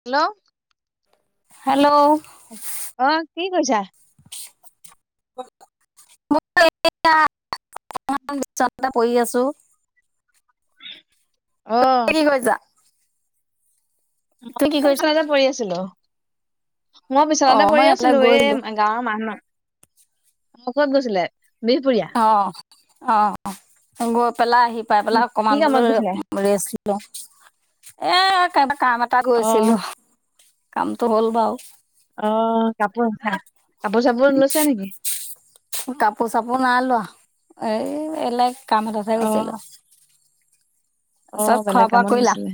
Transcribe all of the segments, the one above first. Hello hello অ কি কৈছা ম এয়া অকমান পিছত পৰি আছোঁ। অ তুমি কি কৰিছা? তুমি কি মই কৰিছা? বিচনাতে পৰি আছিলোঁ। মই বিচনাতে অ' মই পৰি এফালে আছিলো এই গৈছিলো গাঁৱৰ মানুহত অ কত গৈছিলে? বিহপুৰীয়া অ অ পেলাই আহি পাই পেলাই কি অকমান বোলো কামত গৈছিলে? ৰেষ্ট এ কা- কাম এটা অ গৈছিলো। কামটো হ'ল বাও। অহ কাপোৰ [unintelligible] কাপোৰ চাপোৰ লৈছে নেকি? কাপোৰ চাপোৰ নাই লোৱা এই এলাগ কাম এটাত হে অ গৈছিলো। অ চব খোৱা বেলেগ বোৱা কামত কৰিলা? গৈছিলে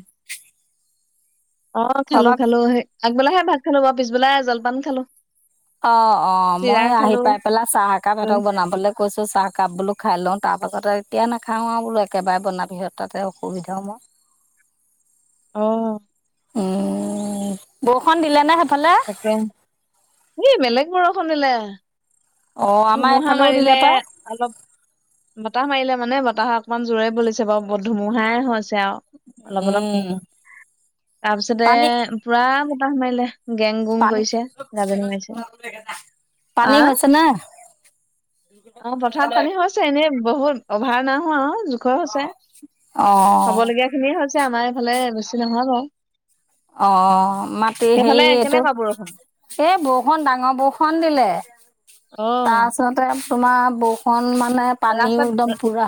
অ খোৱা খালো বোৱা খালো আগবেলাহে ভাত- খালো বা পিছবেলাই জলপান খালো। অ অ চিৰা মই আহি খালো পাই পেলাই চাহ এক একাপ দৈ সিহঁতক বনাবলৈ কৈছো চাহকাপ বোলো খাই লওঁ তাৰ পাছত এতিয়া নাখাওঁ আৰু বোলো একেবাৰে বনাবিহত তাতে অসুবিধাও মো। অহ উম বৰষুণ দিলে নে সে- সক্ৰম [unintelligible] এ বেলেগ বৰষুন দিলে। অ', আমাৰ ধুমুহা এইফালেও দিলে মাৰিলে পাই। অলপ বতাহ মাৰিলে। মানে বতাহ অকমান জোৰে বলছে বাৰু ধুমুহাই হৈছে। আৰু, অলপ অলপ উম, তাৰপিছতে পানী পুৰা বতাহ মাৰিলে। গেং গুং পান কৰিছে গাজনি মাৰিছে পানী আহ হৈছে নে। [unintelligible] অ পথাৰত পানী হৈছে এনেই। বহুত অভাৰ না হোৱা আও। অ। আমাৰে। অ মাতি হে সেইফালে এইটো কেনেকুৱা বৰষুণ এই বৰষুন ডাঙৰ বৰষুণ দিলে। অ তাৰ পাছতে। তোমাৰ বৰষুণ মানে। মানে পানীও ৰাস্তাত একদম পুৰা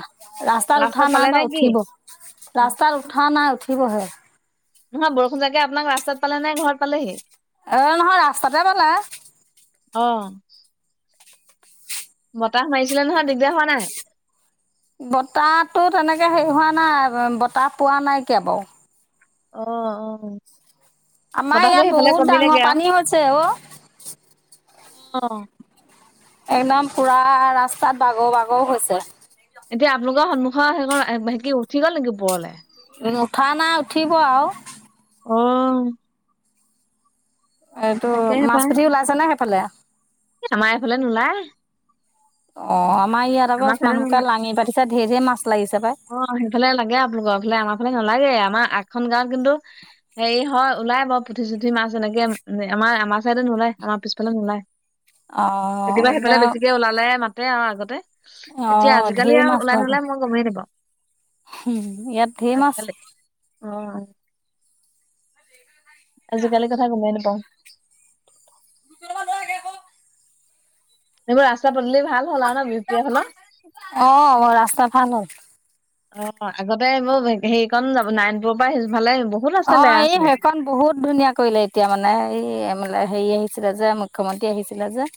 ৰাস্তাত উঠা নাই পালে বা নে কি উঠিব ৰাস্তাত উঠা নাই উঠ। হয়। নহয় বৰষুণ জাগে আপোনাক ৰাস্তাত পালে নে ঘৰত পালেহি। এ নহয় ৰাস্তাতে পালে। অহ। ম। বতাটো তেনেকে সে। পোহোৱা নাই বতাহ পোৱা নাইকিয় বাৰু। অহ অহ। আমাৰ ইয়াত বহুত ডাঙৰ পানী হৈছে অ। অহ। একদম পুৰা ৰাস্তাত বাগৰ বাগৰ হৈছে। এতিয়া আপোনালোকৰ সন্মুখৰ সেইখন সে উঠি গ'ল নেকি ওপৰলে। উঠা নাই উঠিব আও। অ। এইটো তাকেহে মাছ পাই পুঠি ওলাইছে নে। ভালে। আমাৰ এইফালে নোলায়। অ আ। আমাৰ ইয়াত আকৌ আমাৰ চাইডে মানুহবোৰে নোলায় দাঙি পাতিছে ধেৰ মাছ। লাগিছে পাই অ সেইফালে লাগে আপোনোকৰালে আমাৰা নালাগে। নালাগে আমাৰ আগখন গাঁৱত কিন্তু হেৰি হয় ওলাই বাৰু পুঠি চুঠি মাছ এনেকে আমাৰ আমাৰ চাইডে নোলায় আমাৰ পিছফালে নোলায়। অ' কেতিয়াবা সেইফালে একদম বেছিকে ওলালে ম। ত আৰু আগতে। এতিয়া অ' আজিকালি ধেৰ মাছ আৰু ওলাই ওলাইছে নোলাই মই গমেইে নেপাওঁ। ইয়াত ধে মাছ। অ আজিকালি কথা গমাই নাপাওঁ। এইবোৰ ৰাস্তা বদলি ভাল হ'ল আৰু ন বিপি‌ এল খনৰ‌ অ' ৰাস্তা ভাল হ'ল অ। অ আগতে এইবোৰ হেৰি কন যাব নাৰয়ণপুৰৰ পৰা আহি অ এই সেইখন বহুত ধুনীয়া কৰিলে এতিয়া মানে এই হেৰি আহিছিলে যে মুখ্যমন্ত্ৰী আহিছিলে যে।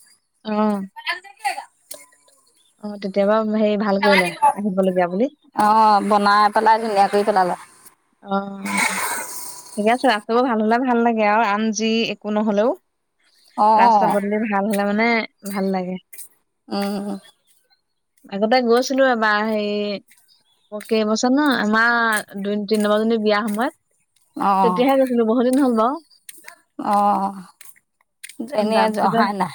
অহ তেতিয়া পৰা [unintelligible] অ বনাই পেলাই ধুনীয়া কৰি পেলালে। অ ঠিক আছে ৰাস্তাবোৰ ভাল হলে ভাল লাগে আৰু আন যি একো নহলেও। ৰাস্তা অ' বদলে ভাল ন মানে ভাল লাগে। উম আগতে গৈছিলো এবাৰ হেৰি কেইবছৰ ন আমাৰ দু তিন নম্বৰ জনি বিয়া সময়ত তেতিয়াহে গৈছিলো বহুত দিন হ'ল ন। [inaudible] অহ এনেই আজি অহাই নাই।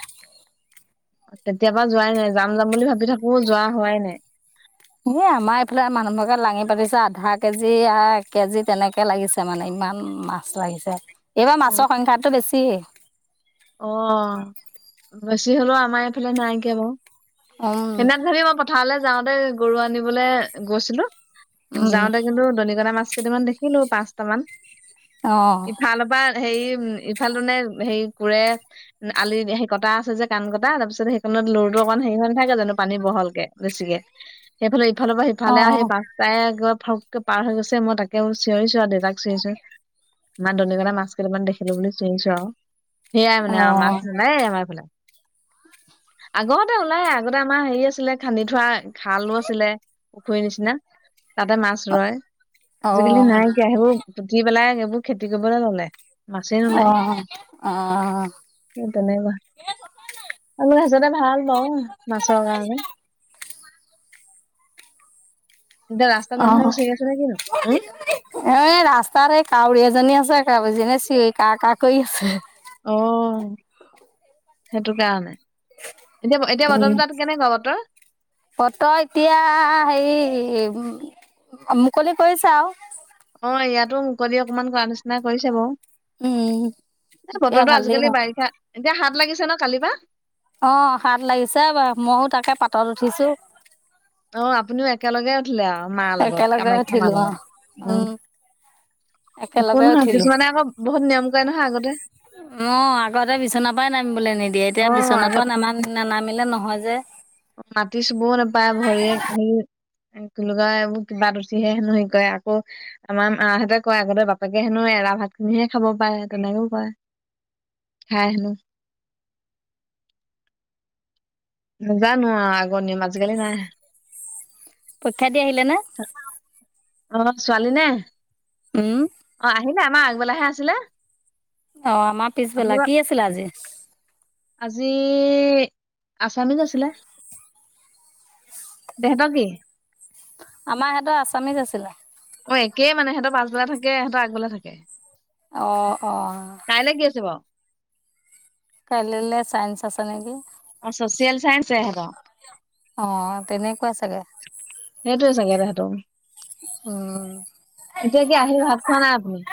তেতিয়াবা যোৱাই নাই যাম যাম বুলি ভাবি থাকো যোৱা হোৱাই নাই। এই আমাৰ এইফালে মানুহবোকে লাঙি পাতিছে আধা কেজি কেজি তেনেকে লাগিছে মানে ইমান মাছ লাগিছে। এইবাৰ অ মাছৰ সংখ্যাাতটো বেছি। হৈয়েই অ বেছি হলেও আমাৰ এইফালে নাইকিয় বাৰু। উম এনে ঢেৰ প পথাৰলে যাওঁতে গৰু আনিবলৈ গৈছিলো উম যাওঁতে কিন্তু দনিকণা মাছ কেইটামান দেখিলো পাঁচটামান অ এইফালৰ পৰা হেৰি উ ইফালতো নে হে কোৰে আলি সেই কটা আছে যে কাণ কটা তাৰপিছত সেইখনত লৰটো অকমান হেৰি হৈ নাথাকে জানো পানী বহলকে বেছিকে সেইফালে ইফালৰ পৰা অ সফালে সেই পাচটাই আগত থকে পাৰ হৈ গৈছে মই তাকেও চিঞৰিছো আৰু দেউতাক চিঞৰিছো ইমান দনিকনা মাছ কেইটামান দেখিলো বুলি চিঞৰিছো আৰু। সেয়াই অ মানে মাছ নোলায়ে আমাৰ ফালে। আগত এ ওলাই আগতে আমাৰ হেৰি আছে আছিলে খান্দি থোৱা খালো আছিলে পুখুৰীৰ নিচিনা। তাতে মাছ ৰয় অ আজিকালি নাইকিয়া সেইবোৰ উুঠি পেলাই এইবোৰ খেতি কৰিবলৈ ললে মাছেই অ নোলায় অ সেই তেনেকুৱা যতে ভাল লওঁ মাছৰ কাৰণে এতিয়া ৰাস্তাত অ মানুহে এ চিঞৰি আছে নে কিনো উম ৰাস্তাত এই কাউৰী এজনী আছে বজি ন চি কা কা কৰি আছে অ সেইটো কাৰণে এতিয়া এতিয়া উম বতৰটো তাত কেনেকুৱা বতৰ ফত এতিয়া হে উ মুকলি কৰিচে আও অ ইয়াতো মুকলি অকমান কৰা নিচিনা কৰিছে বাৰু উম এ এতিয়া বতৰটো ভালেই হ'ল আজিকালি বাৰিষা এতিয়া হাত লাগিছে ন কালিব বা অ হাত লাগিছে ব মইো তাকে পাতত উঠিছো অ আপুনিও একেলগে আছিলে আৰু মাৰ লগত একেলগে কামাখ্যা উঠিলো মাৰ অ লগত উম একো একেলগে নহয় উঠিলো কিছুমানে আকৌ বহুত নিয়ম কৰে নহয় আগতে অ আগতে বিচন পৰাই নামি বুলিলে নিদিয়ে এতিয়া অ বিচনাৰ পৰা নামান ন নামিলে নহয় মাজে মাতি চুবও নোপায় ভৰিয়ে হেৰি কোকা এইবোৰ কিবাত উঠিহে হেনো হে কয় আকৌ আমাৰ মাহঁতে কয় আগতে বাপেকে হেনো এৰা ভাত খিনিহে খাব পাৰে তেনেকেও কৰে খাই হেনো জানো আগনিম আজিকালি নাই পৰীক্ষা দিয় আহিলে না অ ছোৱালী নে অ আহিলে আমাৰ আ বলাহে আছিলে অ আমাৰ পিছবেলা আপোনালোকৰ কি আছিলে আজি আজি আছামীত আছিলে দেনা কি আমাৰ সিহঁতৰ আছামিজ আছিলে অ একেই মানে সিহঁতৰ পছবেলা থাকে হেটৰ আগবেলা থাকে অ অ কাইলে কি আছে বাৰু কাইেলিলে চাইন্স আছে নেকি আৰু চচিয়েল চাই সতৰ অ তেনেকুৱা চাগে সেইটোয়ে চাগে তহতৰ উম এতিয়া কি আহি ভাত খোৱা নাই আপুনি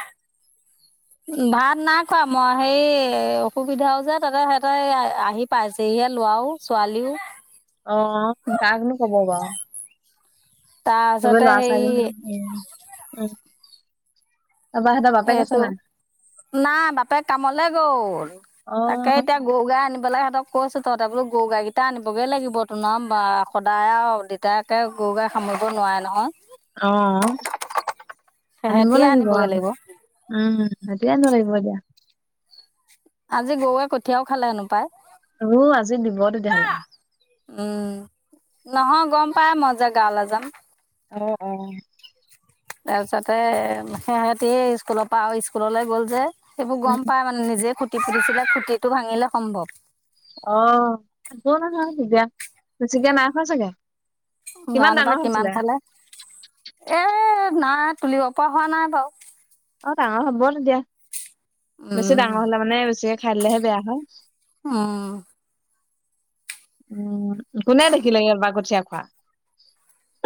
ভাত নাই খোৱা মই সেই অসুবিধাও যে তাতে সিহঁতে আহি পাইছেহে লৰাও ছোৱালীও অ কাকনো কব বাাৰ চবে তাৰপিছতে ল'ৰা হেৰি ছোৱালী তাৰপৰা সিহঁতৰ বাপেক আছে এইটো নাই? নাই বাপেক কামলে গ'ল তাকে এতিয়া অ'। গৰু- গাই আনিব লাগে সিহঁতক কৈছো তহঁতে বোলো গৰু গাই কেইটা আনিবগে লাগিব তোমাৰ সদায় আৰু দেতাকে গৰু- গাই সামৰিব নোৱাৰে নহয়। অ আনিব সেহেঁতিয়ে লাগিব আনিবগৈ আৱ। উম হেতিয়েতো লাগিব এতিয়া। আজি গৰুৱে কঠিয়াও খালে সেনো পায়। উ আজি দিব তেতিয়াহলে উম, নহয় গম পাই মই যে গাৱলে যাম। অহ অ তাৰপিছতে সিহতি স্কুলৰ পৰা আৰু স্কুললে গ'ল যে সেইবোৰ উম, গম পাই মানে নিজে খুট খুটিপুতিছিলে খুটিটো ভাঙিলে সম্ভৱ। অ একো নহয় তেতিয়া বেছিকে নাই খোৱা চাগে কিমান জানোপাই ডাঙৰ কিমান হৈছিলে? খালে এ নাই তুলিব পৰা হোৱা নাই বাৱ অ ডাঙৰ হ'ব তেতিয়া বেছি উম ডাঙৰ হলে মানে বেছিকে খাই দিলেহে বেয়া হয় উম উম কোনে দেখিলে বা কঠীয়া খোৱা?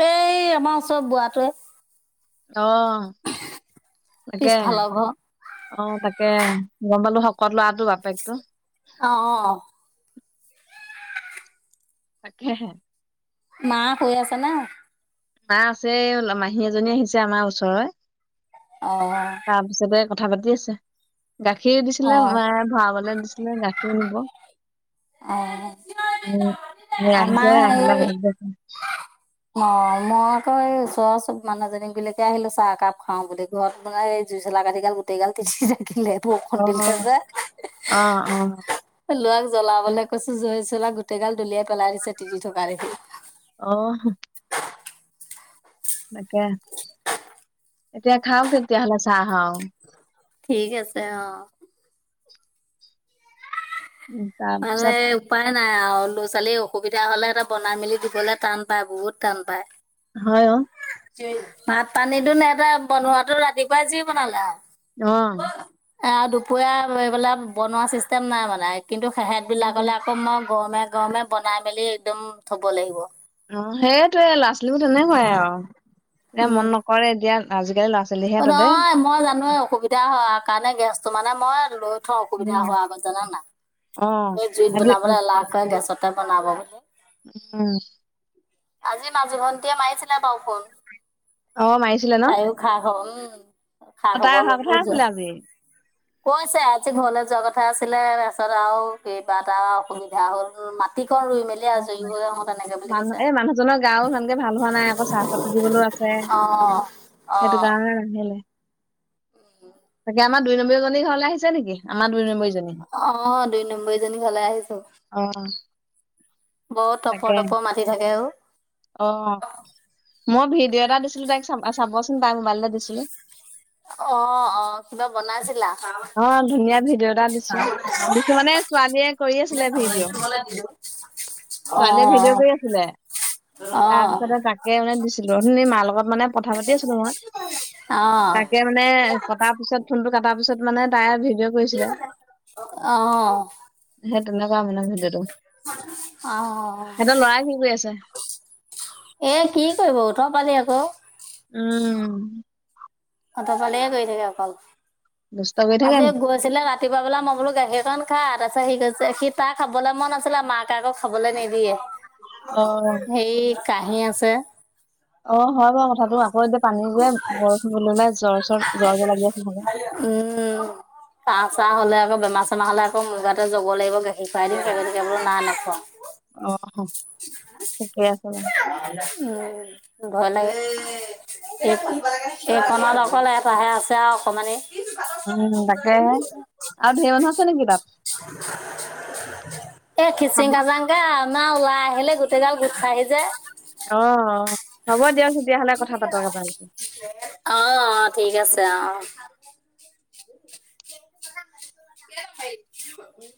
এই আমাৰ ওচৰ বোৱাটোৱে। অ তাকে পিছফালৰ ঘৰ অ তাকে তাকে গম পালো শকত লৱাটো বাপেকতো অ তাকেহে মা শুই আছে নে? মা আছে মাহী এজনী আহিছে আমাৰ ওচৰই অঁ কথা পাতি আছে গাখীৰ দিছিলে মাই ভৰাবলে দিছিলে গাখীৰ সিও নিব উম আহিছেহে আমাৰ আহিলে আক এই তাপিছত অ মই আকৌ এই ওচৰৰ চব মানুহজনী ঘৰলৈআহিলো চাহ একাপ খাও বুলি ঘৰত মানে এই জুই চলা কাঠি গাল গোটেই গাল তিতি থাকিলে। বৰষুণ অ দিলে যে অহ অ ল'ৰাক জ্বলাবলে কৈছো জই চলাই গোটেইগাল দলিয়াই পেলাই দিছে তিতি থকা দেখি। অহ তাকে এতিয়া খাওক তেতিয়াহলে চাহ হাওঁ ঠিক আছে অ উম তা মানে পিছত উপায় নাই আৰু ল'ৰা ছোৱালীৰ অসুবিধা হলে সেতে বনাই মেলি দিবলে টান পায় বহুত টান পায়। হয় অ ভাত পানীটো নেতা বনোৱাটো ৰাতিপুৱাই যি বনালে আৰু অহ এ আৰু দুপৰীয়া এইবলে বনোৱা চিষ্টেম নাই মানে কিন্তু হেতবিলাক সেইটোৱে। হ'লে আকৌ মই গৰমে গৰমে বনাই মেলি একদম থব লাগিব অ সেই ল'ৰা ছোৱালীবোৰ তেনেকুৱ আৰু এতিয়া উম মন নকৰে এতিয়া আজি কালি লৰা ছোৱালীহে অ ততে নহয় মই জানোৱে অসুবিধা হয় কাৰণে গেছটো মানে মই লৈ অসুবিধা উম হ আগত জান না অ এই জুইত আজি বনাবলৈ এলাহ কৰে গেছত তাত বনাব বুলে উম আজি মাজু ভন্টিয়ীয়ে মাৰিছিলে বাওঁ ফোন অ মাৰিছিলে ন তাইও খা খবৰউম অ [unintelligible] অ তাই অহা কথা আছিলে আজি কৈছে আজি ঘৰলে যোৱা কথা আছিলে তাৰপিছত আৰু কিবা এটা অসুবিধা হ'ল মাটি কন ৰুই মেলি অ আজৰি হৈ আহো তেনেকে বুলি কৈছে মানুহ জনৰ গাও সানকে ভাল হোৱা নাই আকৌ চাহপাত টোলিবলো আছে অ', সেইটো অ', কাৰণে [unintelligible] তাকে আমাৰ দুই নম্বী ঘৰ আহিছে নেকি আম দুই নম্বী অ দুই নম্বৰ জানি ঘৰ আহিছো অ', বৰ টপৰ তপৰ মাটি থাকে অ আহ মই ভিডিঅ' এটা দিছিলো তাইক চাবচোন পাই মোবাইলটা দিছিলো অ অ কিবা বনাইছিলা অ ধুনীয়া ভিডিঅ' এটা দিছো দিছো মানে ছোৱালীয়ে কৰি আছিলে ভিডিঅ' ছোৱালীয়ে ভিডিঅ' অ', কৰি আছিলে অ', অ', তাৰপিছতে তাকে মানে দিছিলো মা লগত মানে কথা পাতি আছিলো মই তাকে মানে কটাৰ পিছত ফোনটো কটাৰ পিছত মানে তাই ভিডিঅ' কি কৰিছিলে বনাব আহ কেনেকুৱা বনাইছে ভিডিঅ' অহ কি কৰি আছে এ কি কি কৰিব উওপালি আকৌ উম অতপালিয়ে কৰি থাকে অকল দুষ্ট কৰি থাকে আজি নি গৈছিলে ৰাতি বা মই বোলো গাখীৰঅকন খা তাছত সি কৈছে সি তাৰ খাবলৈ মন আছিলে মাকে আকো খাবলৈ নিদিয়ে অ হেৰি কাহি আছে অ হয় বাৰু কথাটো আকৌ এতিয়া পানী যে বৰষুণ বুলিলে জ্বৰ চৰ জ্বৰ জ্বৰ লাগি আছে চাগে। উম কাহ চাহ হলে আ আকৌ বেমাৰ চেমাৰ হ'লে আকৌ মুগাতে জগৰ লাগিব গাখীৰ খুৱাই দিম সেই গতিকে বুলো নাই নোখোৱাওঁ অহ উম ভয় লাগে এই এই কনত আক এটাহে আছে আও অকমানি উম তাকেহে আৰু ঢেৰ মানুহ আছে নেকি তাত? এ খিচিং খাজাং অনা ওলাই আহিলে গো গোটেই গাল গোট খায়হি যে অ অ হ'ব দিয়ক তেতিয়াহ'লে কথা পাতক এবাৰ। অ অ ঠিক আছে অ [unintelligible]